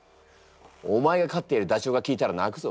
お前が飼ってるダチョウが聞いたら泣くぞ。